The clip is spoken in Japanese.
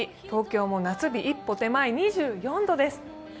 東京も夏日一歩手前２４度です。